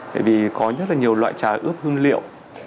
tại vì có rất là nhiều loại trà ướp hương liệu